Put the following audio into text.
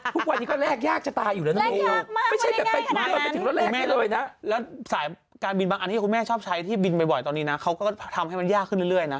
ทุกวันนี้ก็แลกยากจะตายอยู่แล้วนะพี่ไม่ใช่แบบไปถึงเลยไปถึงรถแรงแม่เลยนะแล้วสายการบินบางอันที่คุณแม่ชอบใช้ที่บินบ่อยตอนนี้นะเขาก็ทำให้มันยากขึ้นเรื่อยนะ